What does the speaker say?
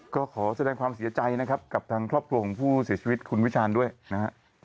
ก็ขอแสดงความเสียใจนะครับกับทางครอบครัวของผู้เสียชีวิตคุณวิชาณด้วยนะฮะ